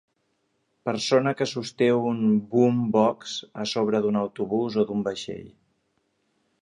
Persona que sosté un Boombox a sobre d'un autobús o d'un vaixell.